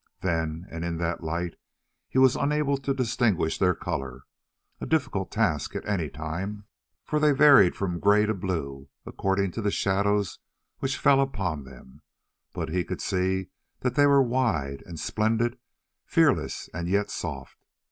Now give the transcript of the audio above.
Then and in that light he was unable to distinguish their colour, a difficult task at any time, for they varied from grey to blue according to the shadows which fell upon them, but he could see that they were wide and splendid, fearless and yet soft.